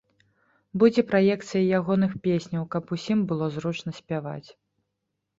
Будзе праекцыя ягоных песняў, каб усім было зручна спяваць.